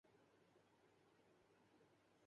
امبر Heard کا Johnny Depp پر تشدد کا اعتراف بھی الزام بھی